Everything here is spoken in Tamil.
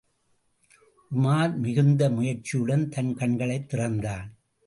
உமார் மிகுந்த முயற்சியுடன் தன் கண்களைத் திறந்தான்.